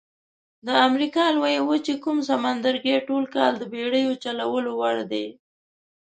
د امریکا لویې وچې کوم سمندرګي ټول کال د بېړیو چلولو وړ دي؟